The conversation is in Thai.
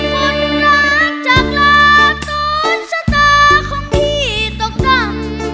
ฝนรักจากลาตอนชะตาของพี่ตกดำ